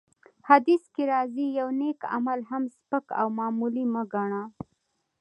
حديث کي راځي : يو نيک عمل هم سپک او معمولي مه ګڼه!